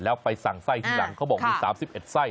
แล้วไปสั่งไส้ทีหลังเขาบอกมี๓๑ไส้